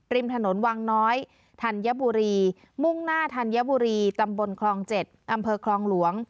ริมถนนวังน้อยธัญบุรีมุ่งหน้าธัญบุรีตำบลคลอง๗อำเภอคลองหลวง